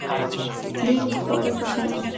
دیګ خواړه پخوي